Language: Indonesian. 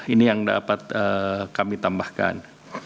ini yang dapat kami tambahkan